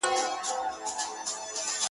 زه به د وخت له کومي ستړي ريشا وژاړمه,